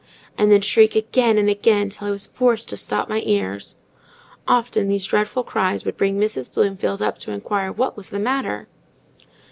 and then shriek again and again, till I was forced to stop my ears. Often these dreadful cries would bring Mrs. Bloomfield up to inquire what was the matter?